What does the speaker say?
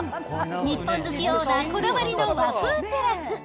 日本好きオーナーこだわりの和風テラス。